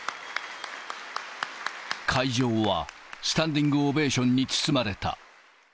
会場はスタンディングオベーションに包まれた。